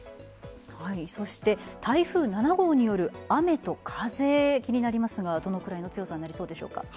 そして台風７号による雨と風気になりますがどのくらいの強さになりそうでしょうか？